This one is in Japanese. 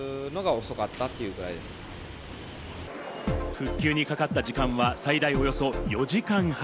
復旧にかかった時間は最大およそ４時間半。